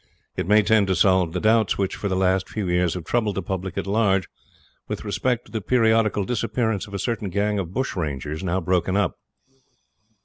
It may tend to solve the doubts which for the last few years have troubled the public at large with respect to the periodical disappearance of a certain gang of bush rangers now broken up.